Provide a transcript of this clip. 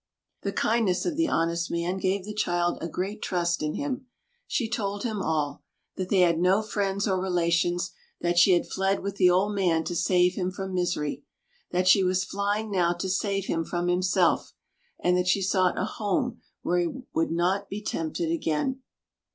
The kindness of the honest man gave the child a great trust in him. She told him all—that they had no friends or relations; that she had fled with the old man to save him from misery; that she was flying now to save him from himself; and that she sought a home where he would not be tempted again.